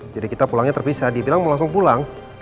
jadi kita pulangnya terpisah dibilang mau langsung pulang